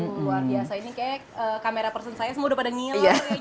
luar biasa ini kayaknya kamera person saya semua udah pada ngilang